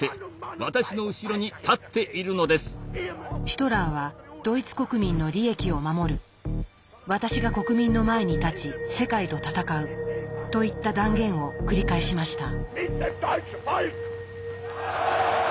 ヒトラーは「ドイツ国民の利益を守る」「私が国民の前に立ち世界と戦う」といった断言を繰り返しました。